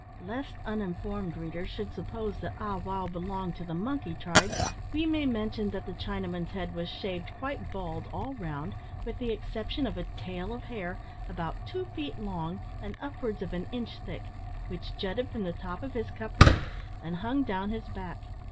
Lest uninformed readers should suppose that Ah wow belonged to the monkey tribe, we may mention that the Chinaman's head was shaved quite bald all round, with the exception of a tail of hair, about two feet long, and upwards of an inch thick, which jutted from the top of his caput, and hung down his back.